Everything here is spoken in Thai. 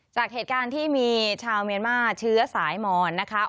จากเหตุการณ์ที่มีชาวเมียนมาร์เชื้อสายมอนนะคะ